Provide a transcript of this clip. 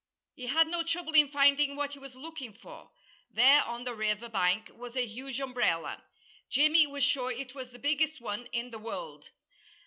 He had no trouble in finding what he was looking for. There on the river bank was a huge umbrella. Jimmy was sure it was the biggest one in the world.